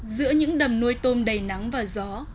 giữa những đầm nuôi tôm đầy nắng và gió